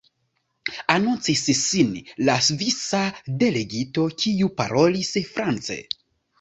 Anoncis sin la svisa delegito, kiu parolis france.